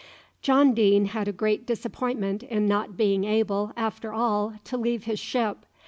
John Deane had a great disappointment in not being able, after all, to leave his ship.